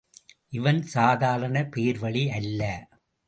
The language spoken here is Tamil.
இவன் சாதாரணப் பேர்வழி அல்ல.